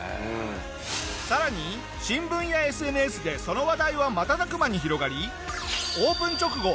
さらに新聞やＳＮＳでその話題は瞬く間に広がりオープン直後